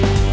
ya itu dia